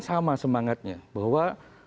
sama semangatnya bahwa